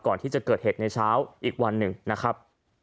ก่อนที่จะเกิดเหตุในเช้าอีกวันหนึ่งนะครับ